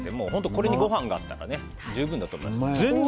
これにご飯があったら十分だと思います。